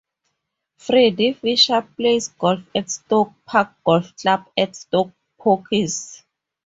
Freddie Fisher plays golf at Stoke Park Golf Club at Stoke Poges.